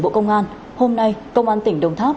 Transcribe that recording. bộ công an hôm nay công an tỉnh đồng tháp